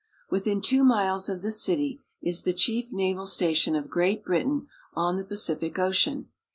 Within two miles of the city is the chief naval station of Great Britain on the Pacific Ocean.